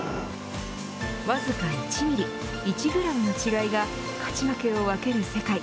わずか１ミリ１グラムの違いが勝ち負けを分ける世界。